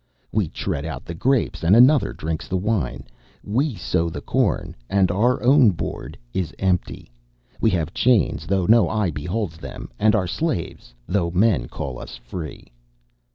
We tread out the grapes, and another drinks the wine. We sow the corn, and our own board is empty. We have chains, though no eye beholds them; and are slaves, though men call us free.